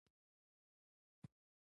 ایا زه باید د لیمو شربت وڅښم؟